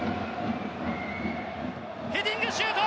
ヘディンシュート！